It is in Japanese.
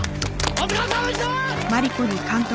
お疲れさまでした！